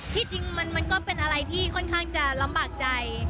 จริงมันก็เป็นอะไรที่ค่อนข้างจะลำบากใจ